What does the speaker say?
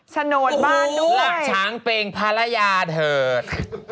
โฉนดบ้านด้วยหลักช้างเพลงภรรยาเถิด